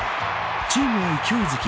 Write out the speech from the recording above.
チームは勢いづき